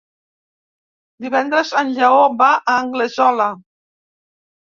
Divendres en Lleó va a Anglesola.